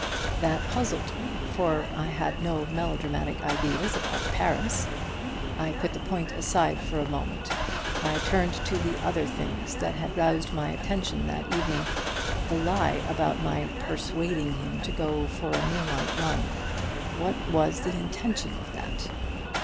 That puzzled me, for I had no melodramatic ideas about Paris. I put the point aside for a moment. I turned to the other things that had roused my attention that evening. The lie about my 'persuading him to go for a moonlight run.' What was the intention of that?